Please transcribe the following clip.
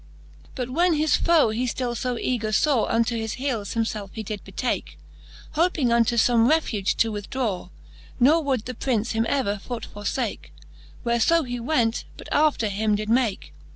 XXIX. But, when his foe he ftill fo eger faw. Unto his heeles himfelfe he did betake, Hoping unto fome refuge to withdraw : Ne would the Prince him ever foot forfake, Where fo he went, but after him did make.